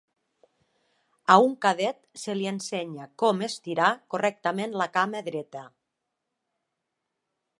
A un cadet se li ensenya com estirar correctament la cama dreta.